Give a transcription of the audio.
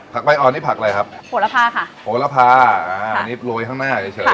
ใบอ่อนนี่ผักอะไรครับโหระพาค่ะโหระพาอ่าอันนี้โรยข้างหน้าเฉยเฉย